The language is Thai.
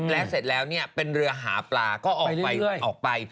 และเสร็จแล้วเป็นเรือหาปลาก็ออกไป